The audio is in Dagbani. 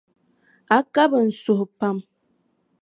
A kabi n suhu pam.